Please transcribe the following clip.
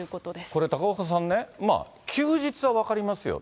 これ、高岡さんね、休日は分かりますよ。